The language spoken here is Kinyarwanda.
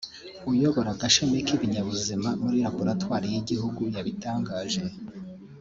uyobora agashami k’ibinyabuzima muri Laboratoire y’igihugu yabitangaje